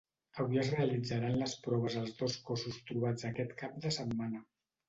Avui es realitzaran les proves als dos cossos trobats aquest cap de setmana.